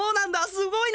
すごいね！